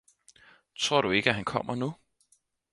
Tror du ikke, at han kommer nu!